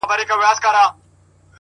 لکه کنگل تودو اوبو کي پروت يم;